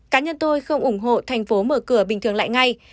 cá nhân tôi không ủng hộ thành phố mở cửa bình thường lại ngay